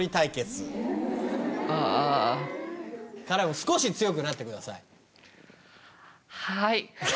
少し強くなってください。